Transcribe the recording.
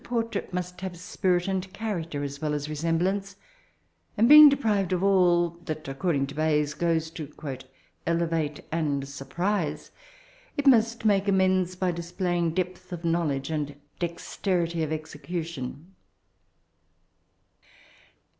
trait most have ipirit aod character as well M resembltDoe ; aod beiog deprived of all ti^aii according to Bayefi, goes to ' elevate and Borprue,' it mast make amends by displaytDg depth of knowledge and dexterity of execution.